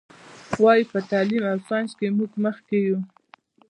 وایي: په تعلیم او ساینس کې موږ مخکې یو.